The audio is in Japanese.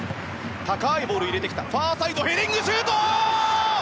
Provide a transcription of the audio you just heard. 高いボールを入れてきたファーサイドヘディングシュート！